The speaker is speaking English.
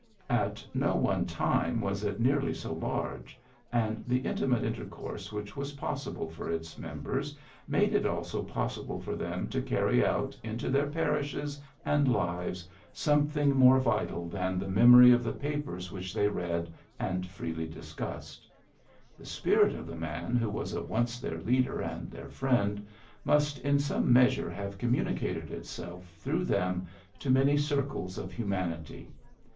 At no one time was it nearly so large, and the intimate intercourse which was possible for its members made it also possible for them to carry out into their parishes and lives something more 88 PHILLIPS BEOOKS vital than the memory of the papers which they read and freely discussed. The spirit of the man who was at once their leader and their friend must in some measure have communicated itself through them to many circles of human ity.